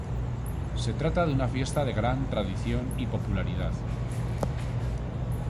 Se trata de una fiesta de gran tradición y popularidad.